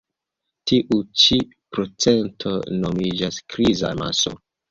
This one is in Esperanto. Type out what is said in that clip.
Tiu ĉi procento nomiĝas kriza maso.